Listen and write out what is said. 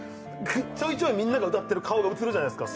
ちょいちょいみんなが歌っている顔が映るじゃないですか。